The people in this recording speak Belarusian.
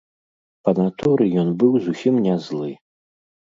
Па натуры ён быў зусім не злы.